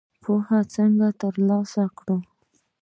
پوهه څنګه تر لاسه کړو؟